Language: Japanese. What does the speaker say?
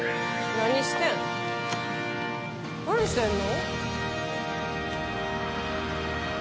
何してんの？